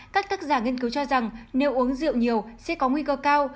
các tác giả nghiên cứu cho rằng nếu uống rượu nhiều sẽ có nguy cơ cao